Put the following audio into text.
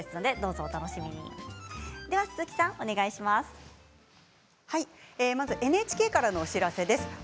まずＮＨＫからのお知らせです。